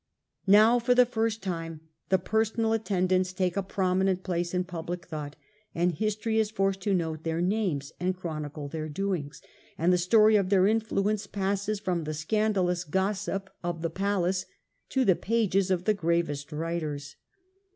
Now for the first time the personal attendants take a prominent place in public thought, and history is forced to note their names and chronicle their doings, and the story of their influence passes from the scanda lous gossip of the palace to the pages of the gravest writers.